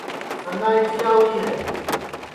سنا ایٹھی آئوڑی ہے